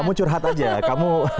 kamu curhat aja